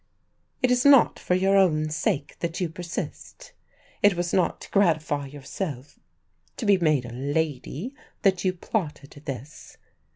"It is not for your own sake that you persist? It was not to gratify yourself to be made a lady that you plotted this?